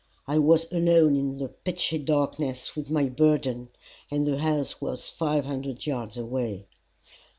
I was alone in the pitchy darkness with my burden, and the house was five hundred yards away.